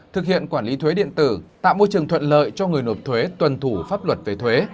thực hiện quản lý thuế điện tử tạo môi trường thuận lợi cho người nộp thuế tuần thủ pháp luật về thuế